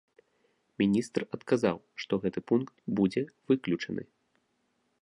Міністр адказаў, што гэты пункт будзе выключаны.